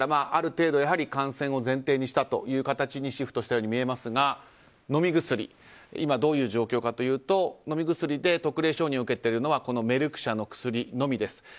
感染を前提にしたというようにシフトしたように見えますが飲み薬は今どういう状況かというと飲み薬で特例承認を受けているのはメルク社の薬飲みです。